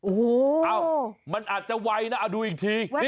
โอ้โหอ้าวมันอาจจะไวนะดูอีกทีนี่